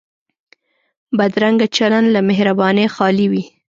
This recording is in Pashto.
بدرنګه چلند له مهربانۍ خالي وي